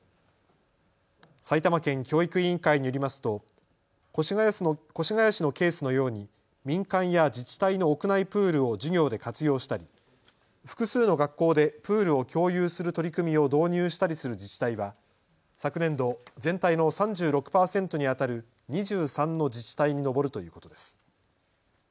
埼玉県教育委員会によりますと越谷市のケースのように民間や自治体の屋内プールを授業で活用したり、複数の学校でプールを共有する取り組みを導入したりする自治体は昨年度、全体の３６％にあたる２３の自治体に上るということです。